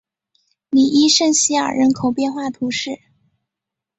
里伊圣西尔人口变化图示